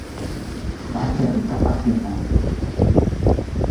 sheria ya benki kuu ilitungwa kabla ya kuanzishwa kwa benki kuu ya tanzania